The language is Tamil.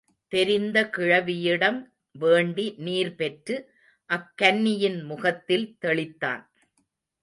தெரிந்த கிழவியிடம் வேண்டி நீர் பெற்று, அக் கன்னியின் முகத்தில் தெளித்தான்.